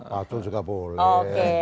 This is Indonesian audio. pacul juga boleh